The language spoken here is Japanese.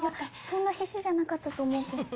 そんな必死じゃなかったと思うけど。